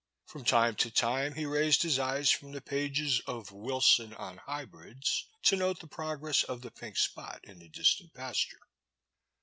From time to time he raised his eyes from the pages of WHsan an Hybrids to note the progress of the pink spot in the distant pasture.